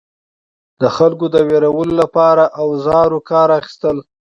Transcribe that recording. د خلکو د ویرولو لپاره اوزارو کار اخیستل.